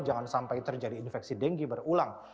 jangan sampai terjadi infeksi denggi berulang